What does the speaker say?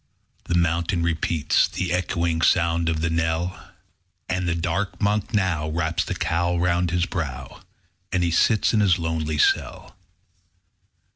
The mountain repeats The echoing sound of the knell; And the dark Monk now Wraps the cowl round his brow, _5 As he sits in his lonely cell.